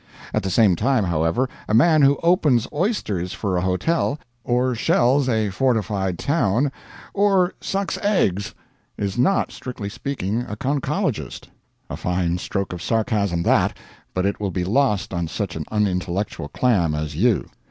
At the same time, however, a man who opens oysters for a hotel, or shells a fortified town, or sucks eggs, is not, strictly speaking, a conchologist a fine stroke of sarcasm that, but it will be lost on such an unintellectual clam as you.